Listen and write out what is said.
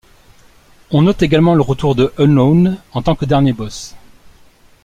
On note également le retour de Unknown en tant que dernier boss.